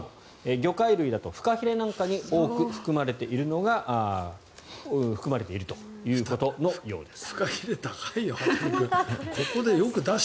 魚介類だとフカヒレなんかに多く含まれているということのようです。